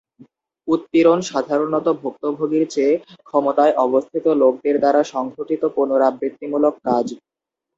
উৎপীড়ন সাধারণত ভুক্তভোগীর চেয়ে ক্ষমতায় অবস্থিত লোকদের দ্বারা সংঘটিত পুনরাবৃত্তিমূলক কাজ।